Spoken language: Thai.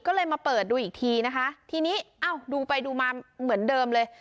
ก็เลยมาเปิดดูอีกทีนะคะทีนี้เอ้าดูไปดูมาเหมือนเดิมเลย